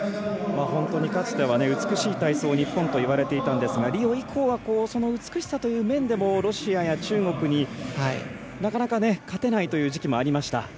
かつては美しい体操日本といわれていたんですがリオ以降はその美しさという面でもロシアや中国になかなか、勝てないという時期もありました。